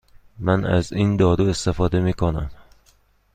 من از این دارو استفاده می کنم.